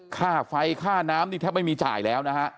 ค่าไฟค่าน้ำนี่แทบไม่มีจ่ายแล้วนะฮะ